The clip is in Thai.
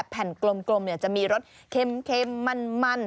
แผ่นกลมจะมีรสเค็มมัน